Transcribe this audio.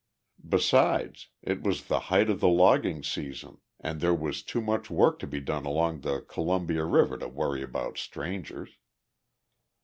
Besides, it was the height of the logging season and there was too much work to be done along the Columbia River to worry about strangers.